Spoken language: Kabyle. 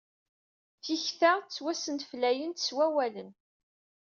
Tikta twasenflayent s wawalen.